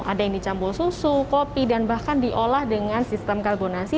ada yang dicampur susu kopi dan bahkan diolah dengan sistem karbonasi